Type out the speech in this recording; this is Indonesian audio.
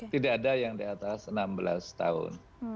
tidak ada yang di atas enam belas tahun